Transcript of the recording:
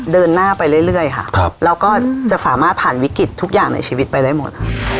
เดินหน้าไปเรื่อยค่ะเราก็จะสามารถผ่านวิกฤตทุกอย่างในชีวิตไปได้หมด